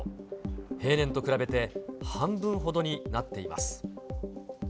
平年と比べて半分ほどになっています。